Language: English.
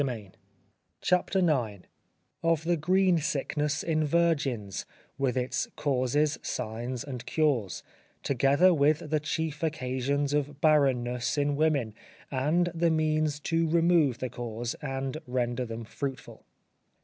CHAPTER IX _Of the Green Sickness in Virgins, with its causes, signs and cures; together with the chief occasions of Barrenness in Women, and the Means to remove the Cause, and render them fruitful.